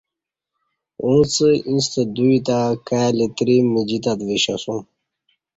اݩڅ ایݩستہ دوئ تہ کائ لتری مجیتت وشیاسوم